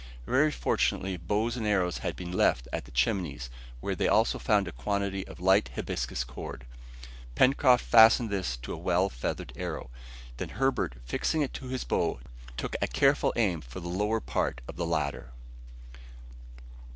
Very fortunately bows and arrows had been left at the Chimneys, where they also found a quantity of light hibiscus cord. Pencroft fastened this to a well feathered arrow. Then Herbert fixing it to his bow, took a careful aim for the lower part of the ladder.